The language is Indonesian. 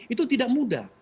itu tidak mudah